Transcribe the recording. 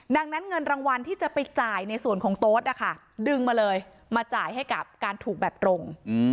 ดังนั้นเงินรางวัลที่จะไปจ่ายในส่วนของโต๊ะนะคะดึงมาเลยมาจ่ายให้กับการถูกแบบตรง